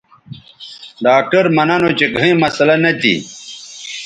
ڈاکٹر مہ ننو چہ گھئیں مسلہ نہ تھی